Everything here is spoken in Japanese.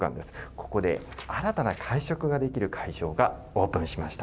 ここで、新たな会食ができる会場がオープンしました。